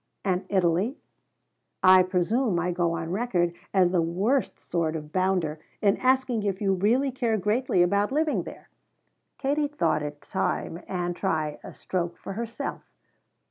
"And Italy? I presume I go on record as the worst sort of bounder in asking if you really care greatly about living there?" Katie thought it time Ann try a stroke for herself.